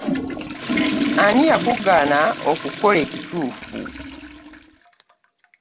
Ani yakugaana okukola ekituufu?